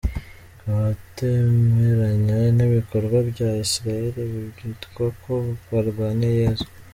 Abatemeranya n’ibikorwa bya Israel bitwa ko barwanya Yezu.